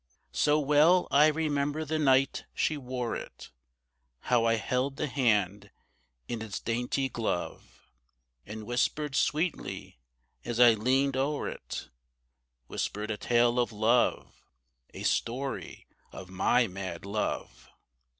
So well I remember the night she wore it How I held the hand in its dainty glove, And whispered sweetly as I leaned o'er it Whispered a tale of love A story of my mad love.